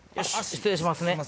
失礼します。